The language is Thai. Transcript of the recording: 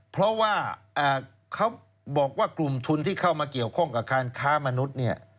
เพราะว่าเขาบอกว่ากลุ่มทุนที่เข้ามาเกี่ยวข้องกับการค้ามนุษย์เนี่ย